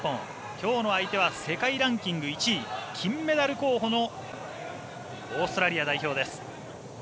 きょうの相手は世界ランキング１位金メダル候補のオーストラリア代表です。